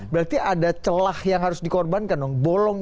berarti ada celah yang harus dikorbankan dong